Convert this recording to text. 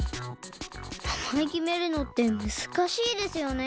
なまえきめるのってむずかしいですよね。